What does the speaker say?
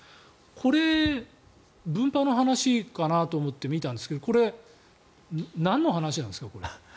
これ、分派の話かなと思って見たんですがこれ、なんの話なんですか？